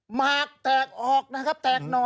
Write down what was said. หมากแตกออกนะครับแตกหน่อ